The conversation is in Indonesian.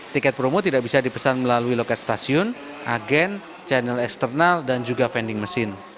tiket promo tidak bisa dipesan melalui loket stasiun agen channel eksternal dan juga vending machine